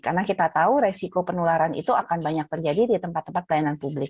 karena kita tahu resiko penularan itu akan banyak terjadi di tempat tempat pelayanan publik